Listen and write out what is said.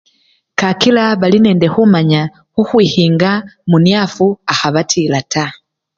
Kakila bali nende khumanya khukhwikhinga muniafu akhabatila taa.